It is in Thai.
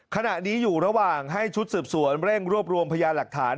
ขณะนี้อยู่ระหว่างให้ชุดสืบสวนเร่งรวบรวมพยานหลักฐาน